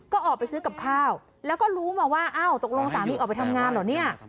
ก็ออกไปซื้อกับข้าวแล้วก็รู้มาว่าอ้าวตกลงสามีออกไปทำงานเหรอเนี่ย